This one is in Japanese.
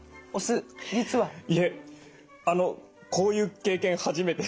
いえこういう経験初めて。